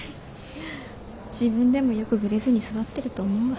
自分でもよくグレずに育ってると思うわ。